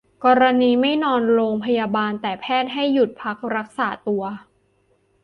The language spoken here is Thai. กรณีไม่นอนโรงพยาบาล แต่แพทย์ให้หยุดพักรักษาตัว